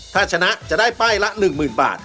ถ้าชนะจะได้ป้ายละ๑๐๐๐บาท